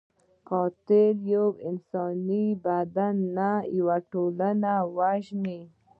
قاتل یو انساني بدن نه، یو ټولنه وژني